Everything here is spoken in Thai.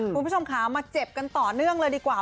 คุณผู้ชมค่ะมาเจ็บกันต่อเนื่องเลยดีกว่า